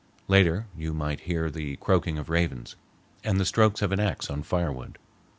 Later you might hear the croaking of ravens, and the strokes of an axe on firewood.